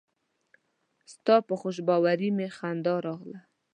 ستا په خوشباوري مې خندا راغله.